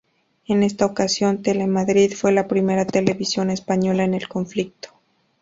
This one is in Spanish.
En esta ocasión, Telemadrid fue la primera televisión española en el conflicto.